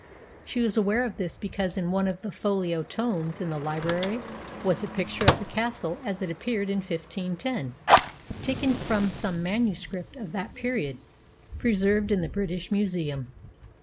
She was aware of this because in one of the folio tomes in the library was a picture of the castle as it appeared in 1510, taken from some manuscript of that period preserved in the British Museum.